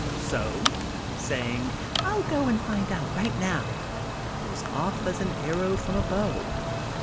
So, saying, "I'll go and find out, right now," was off as an arrow from a bow.